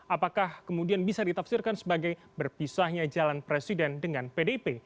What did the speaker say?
apakah kemudian bisa ditafsirkan sebagai berpisahnya jalan presiden dengan pdip